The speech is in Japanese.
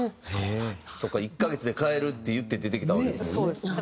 そうか「１カ月で帰る」って言って出てきたわけですもんね。